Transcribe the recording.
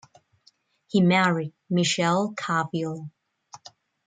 He married Michelle Carville.